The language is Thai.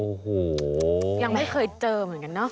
โอ้โหยังไม่เคยเจอเหมือนกันเนาะ